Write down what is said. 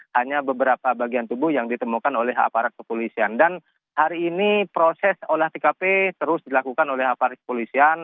hanya beberapa bagian tubuh yang ditemukan oleh aparat kepolisian dan hari ini proses olah tkp terus dilakukan oleh aparat kepolisian